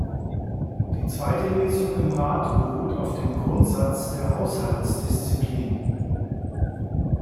Die zweite Lesung im Rat beruht auf dem Grundsatz der Haushaltsdisziplin.